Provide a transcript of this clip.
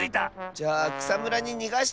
じゃあくさむらににがしてあげよう。